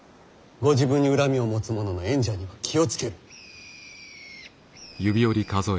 ご自分に恨みを持つ者の縁者には気を付ける。